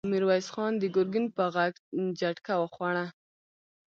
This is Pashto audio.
ميرويس خان د ګرګين په غږ جټکه وخوړه!